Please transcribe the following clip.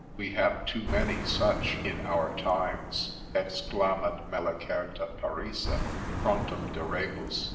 We have too many such in our times, ———Exclamat Melicerta perisse ———Frontem de rebus.